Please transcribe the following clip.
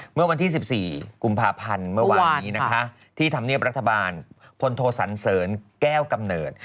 เมื่อวันที่๑๔กุมภาพันธ์เมื่อวานนี้นะคะที่ธรรมเนียบรัฐบาลพลโทสันเสริญแก้วกำเนิด